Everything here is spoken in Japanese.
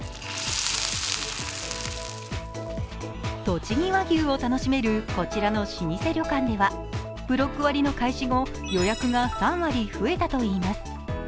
とちぎ和牛を楽しめる、こちらの老舗旅館ではブロック割の開始後、予約が３割増えたといいます。